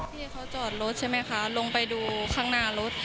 พี่เขาจอดรถใช่ไหมคะลงไปดูข้างหน้ารถ